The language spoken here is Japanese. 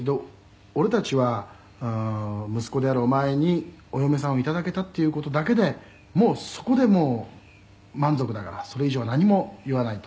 「“俺たちは息子であるお前にお嫁さんを頂けたっていう事だけでもうそこで満足だからそれ以上は何も言わない”と」